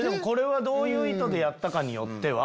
どういう意図でやったかによって。